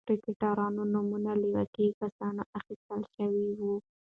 کرکټرونو نومونه له واقعي کسانو اخیستل شوي و.